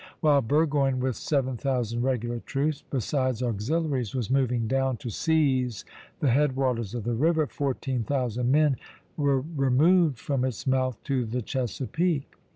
While Burgoyne, with seven thousand regular troops, besides auxiliaries, was moving down to seize the head waters of the river, fourteen thousand men were removed from its mouth to the Chesapeake.